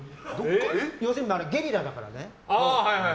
要するにゲリラだから。